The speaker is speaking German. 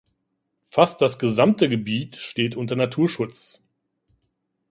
Fast das gesamte Gebiet steht unter Naturschutz.